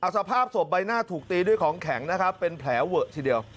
สภาพศพใบหน้าถูกตีด้วยของแข็งนะครับเป็นแผลเวอะทีเดียว